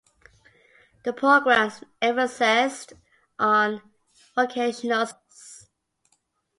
The programs emphasized on vocational skills.